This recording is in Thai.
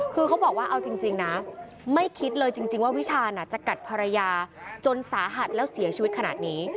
คือเขาบอกว่าเอาจริงนะไม่คิดเลยจริงว่าวิชาน่ะจะกัดภรรยาจนสาหัสแล้วเสียชีวิตขนาดนี้